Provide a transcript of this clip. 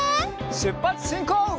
しゅっぱつしんこう！